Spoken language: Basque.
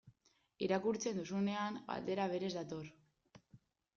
Irakurtzen duzunean, galdera berez dator.